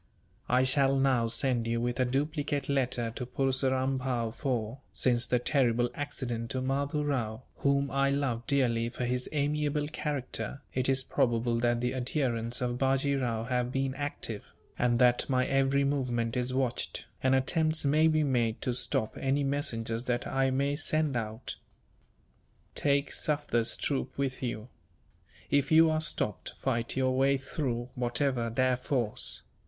"I shall now send you with a duplicate letter to Purseram Bhow for, since the terrible accident to Mahdoo Rao, whom I loved dearly for his amiable character, it is probable that the adherents of Bajee Rao have been active; and that my every movement is watched, and attempts may be made to stop any messengers that I may send out. Take Sufder's troop with you. If you are stopped, fight your way through, whatever their force.